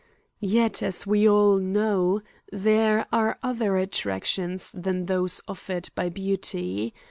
Yet, as we all know, there are other attractions than those offered by beauty.